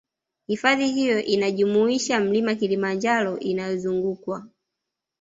Hifadhi hiyo inajumuisha Mlima Kilimanjaro inayozungukwa